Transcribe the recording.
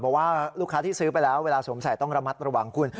บอกว่าลูกค้าที่ซื้อไปแล้วเวลาสวมใส่ต้องระมัดระวังคุณ